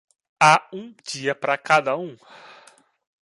Há um dia para cada um.